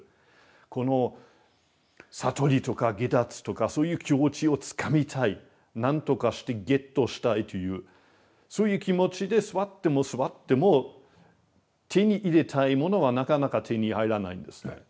この悟りとか解脱とかそういう境地をつかみたい何とかしてゲットしたいというそういう気持ちで座っても座っても手に入れたいものはなかなか手に入らないんですね。